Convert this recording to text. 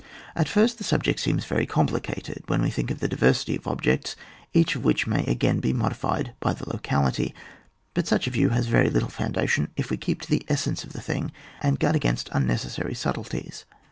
At first the subject seems very complicated, when we think of the diversity of objects, each of which may again be modified by the locality ; but such a view has very little foundation if we keep to the essence of the thing, and guard against unnecessary subtilties.